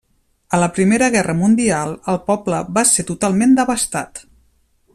A la Primera Guerra Mundial el poble va ser totalment devastat.